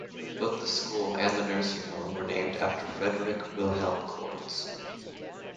Both the school and the nursing home were named after Friedrich Wilhelm Cords.